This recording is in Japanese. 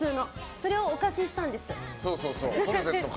それをお貸ししたんです。